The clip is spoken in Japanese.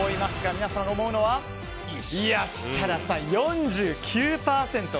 皆さんが思うのは設楽さん４９％！